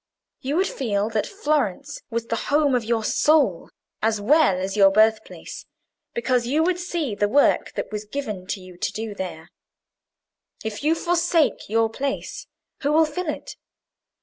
You would feel that Florence was the home of your soul as well as your birthplace, because you would see the work that was given you to do there. If you forsake your place, who will fill it?